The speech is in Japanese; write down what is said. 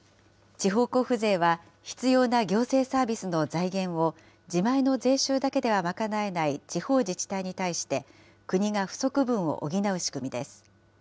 地方交付税は必要な行政サービスの財源を自前の税収だけでは賄えない地方自治体に対して、国が不足分を補う仕組みです。